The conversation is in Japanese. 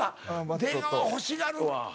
出川欲しがる。